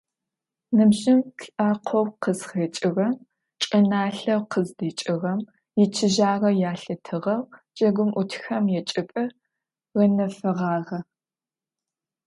Ныбжьым , лӏакъоу къызхэкӏыгъэм, чӏыналъэу къыздикӏыгъэм ичыжьагъэ ялъытыгъэу джэгум ӏутхэм ячӏыпӏэ гъэнэфэгъагъэ.